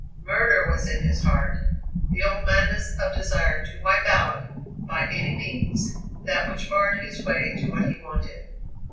Murder was in his heart the old madness of desire to wipe out, by any means, that which barred his way to what he wanted.